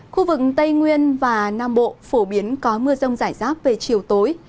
khu vực tây nguyên và nam bộ phổ biến có mưa rông rải rác về chiều tối